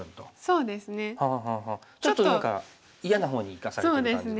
ちょっと何か嫌な方にいかされてる感じですね。